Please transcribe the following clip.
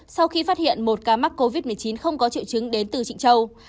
sau khi phát hiện một ca mắc covid một mươi chín không có triệu chứng đến từ trịnh châu